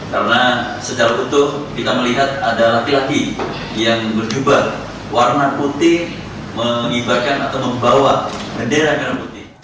karena secara utuh kita melihat ada laki laki yang menjubah warna putih mengibarkan atau membawa bendera merah putih